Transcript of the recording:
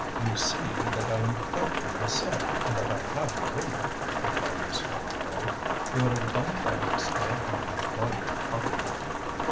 "You see that I am threatened myself, and that I have no one," replied M. Hennebeau. "You would have done better to stay at home and guard your property."